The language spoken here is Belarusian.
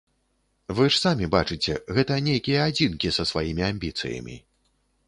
Вы ж самі бачыце, гэта нейкія адзінкі, са сваімі амбіцыямі.